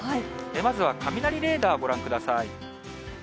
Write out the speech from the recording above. まずは雷レーダーご覧ください。